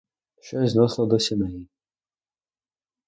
Щось зносили до сіней.